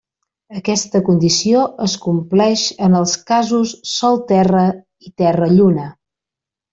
Aquesta condició es compleix en els casos Sol-Terra i Terra-Lluna.